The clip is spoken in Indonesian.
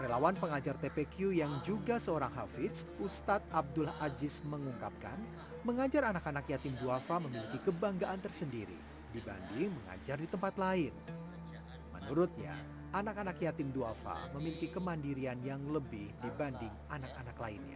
relawan pengajar tpq yang juga seorang hafiz ustadz abdul aziz mengungkapkan mengajar anak anak yatim duafa memiliki kebanggaan tersendiri dibanding mengajar di tempat lain menurutnya anak anak yatim duafa memiliki kemandirian yang lebih dibanding anak anak lainnya